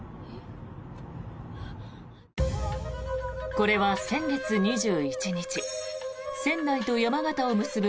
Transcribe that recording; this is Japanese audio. これは先月２１日仙台と山形を結ぶ